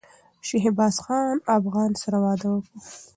شهبازخان افغان سره واده کوم